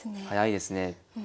早いですね。